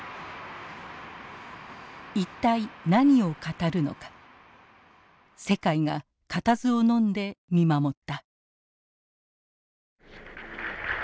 一体何を語るのか世界が固唾をのんで見守った。